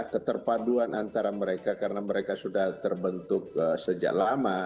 keterpaduan antara mereka karena mereka sudah terbentuk sejak lama